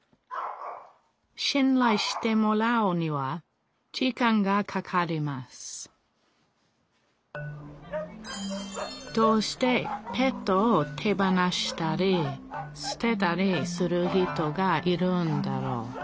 しんらいしてもらうには時間がかかりますどうしてペットを手放したりすてたりする人がいるんだろう？